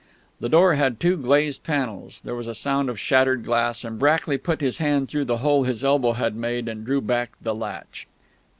The door had two glazed panels; there was a sound of shattered glass; and Brackley put his hand through the hole his elbow had made and drew back the latch.